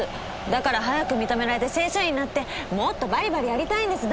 だから早く認められて正社員になってもっとバリバリやりたいんです。